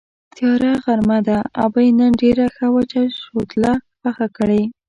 تیاره غرمه ده، ابۍ نن ډېره ښه وچه شوتله پخه کړې.